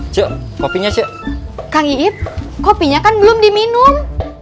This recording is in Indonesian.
cuk kopinya cuk kang iip kopinya kan belum diminum